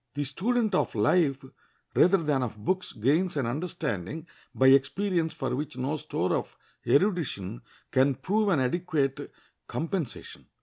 The student of life rather than of books gains an understanding by experience for which no store of erudition can prove an adequate compensation.